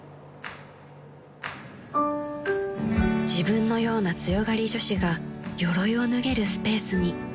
［自分のような強がり女子がよろいを脱げるスペースに］